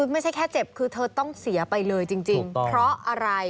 ไม่ใช่แค่เจ็บคือเธอต้องเสียไปเลยจริงเพราะอะไร